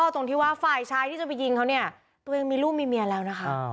ตรงที่ว่าฝ่ายชายที่จะไปยิงเขาเนี่ยตัวเองมีลูกมีเมียแล้วนะคะ